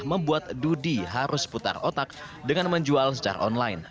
membuat dudi harus putar otak dengan menjual secara online